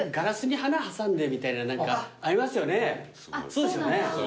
そうですよね。